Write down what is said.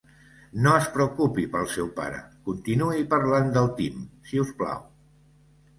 No es preocupi pel seu pare, continuï parlant del Tim, si us plau.